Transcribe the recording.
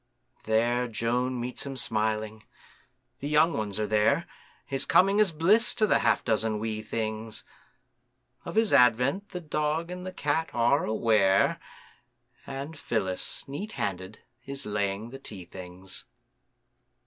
There Joan meets him smiling, the young ones are there, His coming is bliss to the half dozen wee things; Of his advent the dog and the cat are aware, And Phyllis, neat handed, is laying the tea things.